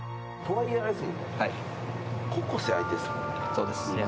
そうです。